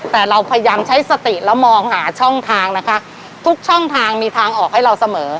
แต่เราพยายามใช้สติแล้วมองหาช่องทางนะคะทุกช่องทางมีทางออกให้เราเสมอ